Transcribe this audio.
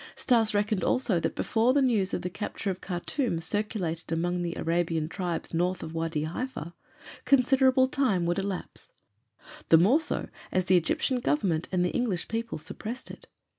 Stas reckoned also that before the news of the capture of Khartûm circulated among the Arabian tribes north of Wâdi Haifa, considerable time would elapse; the more so as the Egyptian Government and the English people suppressed it.